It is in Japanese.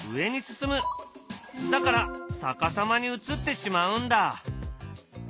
だから逆さまに映ってしまうんだ。